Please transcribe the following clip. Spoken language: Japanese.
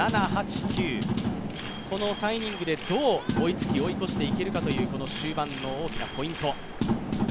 ７，８、９この３イニングで追いつき追い越していけるかという終盤の大きなポイント。